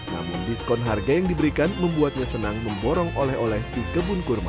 namun diskon harga yang diberikan membuatnya senang memborong oleh oleh di kebun kurma